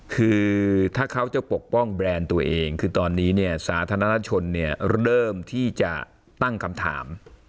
คือถ้าเขาจะปกป้องแบรนด์ตัวเองคือตอนนี้เนี่ยสาธารณชนเนี่ยเริ่มที่จะตั้งคำถาม